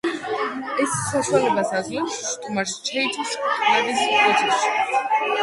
ეს საშუალებას აძლევს სტუმარს ჩაერთოს კვლევის პროცესში.